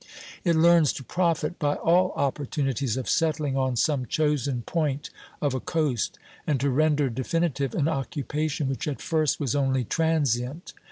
It learns to profit by all opportunities of settling on some chosen point of a coast, and to render definitive an occupation which at first was only transient."